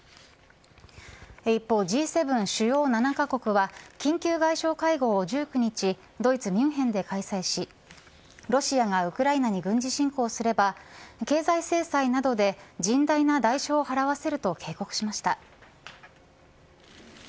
一方、Ｇ７主要７カ国は緊急外相会合を１９日ドイツミュンヘンで開催しロシアがウクライナに軍事侵攻すれば経済制裁などで甚大な代償を払わせると警告しました。